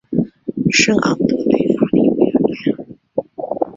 圣昂德雷法里维莱尔。